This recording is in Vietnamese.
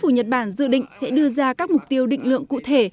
nhật bản dự định sẽ đưa ra các mục tiêu định lượng cụ thể